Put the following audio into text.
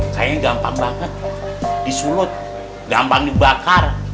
kayaknya gampang banget disulut gampang dibakar